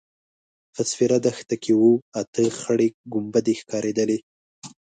په سپېره دښته کې اوه – اته خړې کومبدې ښکارېدلې.